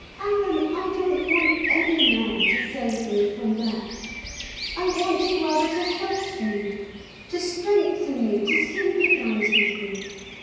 "Alan, I don't want any man to save me from that; I want you rather to help me, to strengthen me, to sympathise with me.